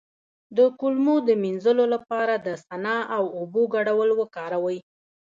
د کولمو د مینځلو لپاره د سنا او اوبو ګډول وکاروئ